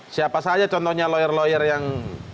siapa saja contohnya lawyer lawyer yang